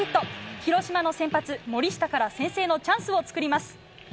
広島の先発、森下から先制のチャンスを作ります。